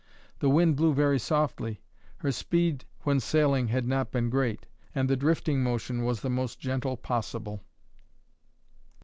The wind blew very softly; her speed when sailing had not been great, and the drifting motion was the most gentle possible.